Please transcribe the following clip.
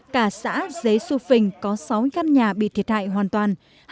cả xã dế xu phình có sáu căn nhà bị thiệt hại hoàn toàn